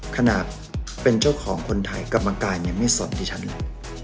ขนาดเป็นเจ้าของคนไทยกรรมการไม่สนดิฉันเลย